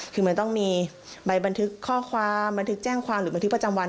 คือมันต้องมีใบบันทึกข้อความบันทึกแจ้งความหรือบันทึกประจำวัน